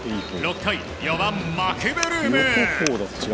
６回４番、マクブルーム。